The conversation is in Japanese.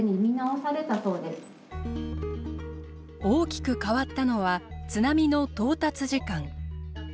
大きく変わったのは津波の到達時間。